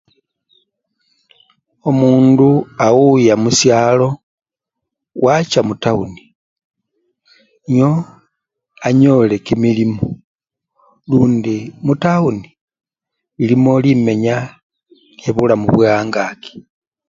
Omundu awuya musyalo wacha mutawuni nio anyile kimilimo, lundi mutawuni, elimo limenya lyebulamu bwe angaki.